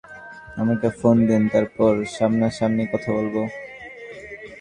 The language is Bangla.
তবে আপনি দীঘির ওখানে এসে আমাকে ফোন দেন তারপর সামনাসামনি কথা বলব।